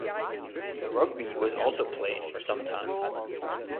Rugby was also played for some time.